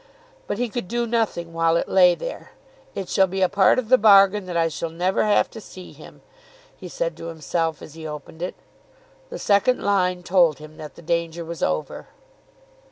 But he could do nothing while it lay there. "It shall be a part of the bargain that I shall never have to see him," he said to himself, as he opened it. The second line told him that the danger was over.